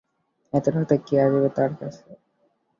এত রাতে কে আসবে তাঁর কাছে!